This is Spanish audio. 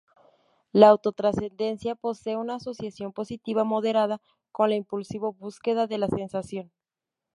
La auto-trascendencia posee una asociación positiva moderada con la impulsivo búsqueda de la sensación.